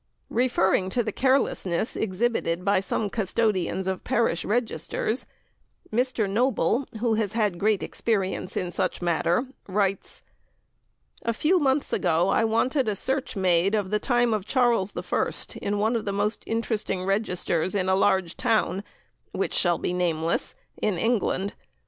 Referring to the carelessness exhibited by some custodians of Parish Registers, Mr. Noble, who has had great experience in such matters, writes: "A few months ago I wanted a search made of the time of Charles I in one of the most interesting registers in a large town (which shall be nameless) in England.